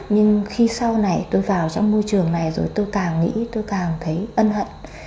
nhưng khi sau này tôi vào trong môi trường này rồi tôi càng nghĩ tôi càng thấy ân hận